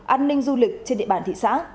an ninh du lịch trên địa bàn thị xã